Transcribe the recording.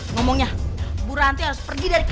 nama bu ranti terus berarti saya enak nih